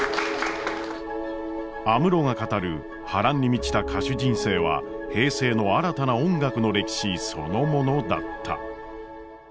安室が語る波乱に満ちた歌手人生は平成の新たな音楽の歴史そのものだった。